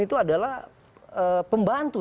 itu adalah pembantu